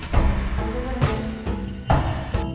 saya akan cerita soal ini